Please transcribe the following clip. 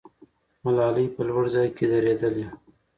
ملالۍ په لوړ ځای کې درېدلې.